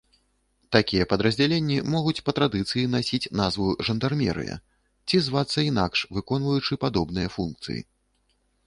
Такія падраздзяленні могуць па традыцыі насіць назву жандармерыя ці звацца інакш, выконваючы падобныя функцыі.